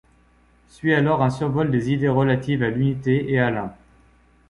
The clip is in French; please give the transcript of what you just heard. Suit alors un survol des idées relatives à l'unité et à l'un.